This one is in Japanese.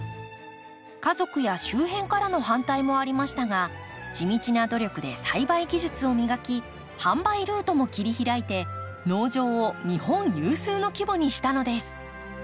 家族や周辺からの反対もありましたが地道な努力で栽培技術を磨き販売ルートも切り開いて農場を日本有数の規模にしたのです。